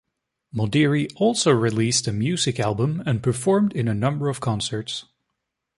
Modiri also released a music album and performed in a number of concerts.